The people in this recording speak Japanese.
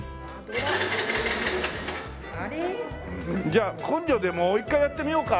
じゃあ根性でもう一回やってみようか。